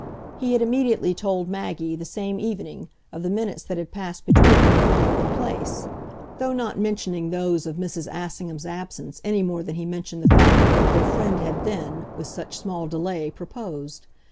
He had immediately told Maggie, the same evening, of the minutes that had passed between them in Cadogan Place though not mentioning those of Mrs. Assingham's absence any more than he mentioned the fact of what their friend had then, with such small delay, proposed.